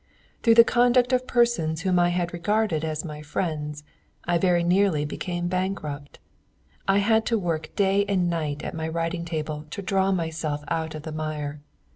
Through the conduct of persons whom I had regarded as my friends I very nearly became bankrupt; I had to work day and night at my writing table to draw myself out of the mire.